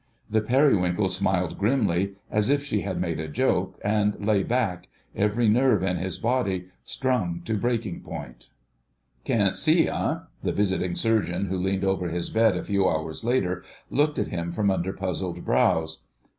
The Periwinkle smiled grimly, as if she had made a joke, and lay back, every nerve in his body strung to breaking point. "Can't see, eh?" The visiting Surgeon who leaned over his bed a few hours later looked at him from under puzzled brows.